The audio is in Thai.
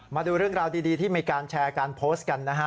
มาดูเรื่องราวดีที่มีการแชร์การโพสต์กันนะฮะ